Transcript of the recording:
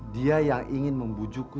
dia yang ingin membujuku